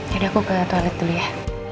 aku ke toilet dulu ya